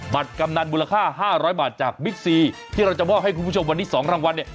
กำนันมูลค่า๕๐๐บาทจากบิ๊กซีที่เราจะมอบให้คุณผู้ชมวันนี้๒รางวัลเนี่ย